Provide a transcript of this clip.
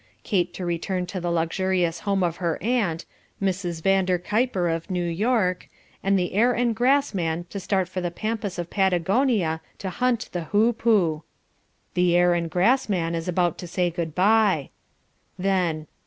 Kate to return to the luxurious home of her aunt, Mrs. van der Kyper of New York, and the Air and Grass Man to start for the pampas of Patagonia to hunt the hoopoo. The Air and Grass Man is about to say goodbye. Then...